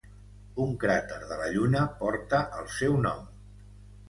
Un cràter de la Lluna porta el seu nom.